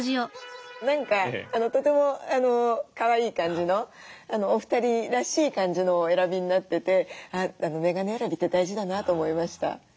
何かとてもかわいい感じのお二人らしい感じのをお選びになっててメガネ選びって大事だなと思いました。